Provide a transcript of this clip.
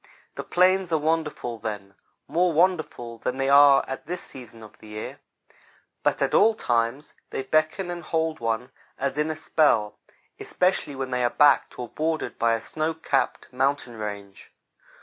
The plains are wonderful then more wonderful than they are at this season of the year; but at all times they beckon and hold one as in a spell, especially when they are backed or bordered by a snow capped mountain range.